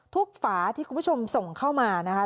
ฝาที่คุณผู้ชมส่งเข้ามานะคะ